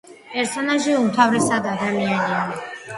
პერსონაჟი უმთავრესად ადამიანია.